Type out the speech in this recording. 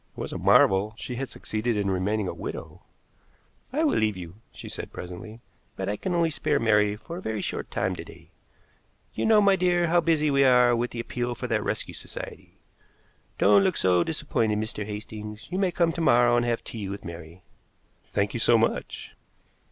It was a marvel she had succeeded in remaining a widow. "I will leave you," she said presently. "But I can only spare Mary for a very short time to day. You know, my dear, how busy we are with the appeal for that rescue society. Don't look so disappointed, Mr. Hastings. You may come to morrow and have tea with Mary." "Thank you so much."